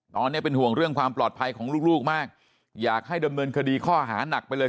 ตอนนี้เป็นห่วงเรื่องความปลอดภัยของลูกมากอยากให้ดำเนินคดีข้อหานักไปเลย